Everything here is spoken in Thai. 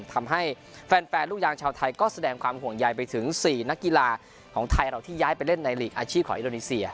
ทำให้แฟนลูกยางชาวไทยก็แสดงความห่วงใยไปถึง๔นักกีฬาของไทยเราที่ย้ายไปเล่นในหลีกอาชีพของอินโดนีเซีย